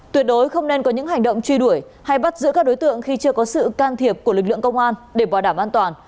tuyệt đối không nên có những hành động truy đuổi hay bắt giữ các đối tượng khi chưa có sự can thiệp của lực lượng công an để bảo đảm an toàn